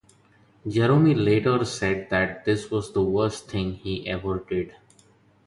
Jerome later said that this was the worst thing he ever did.